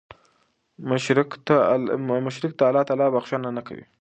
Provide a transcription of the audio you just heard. مشرک ته الله تعالی بخښنه نه کوي